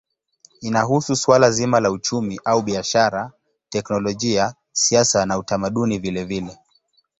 Inahusu suala zima la uchumi au biashara, teknolojia, siasa na utamaduni vilevile.